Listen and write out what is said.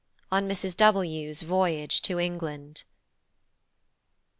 On Mrs. W 's Voyage to England.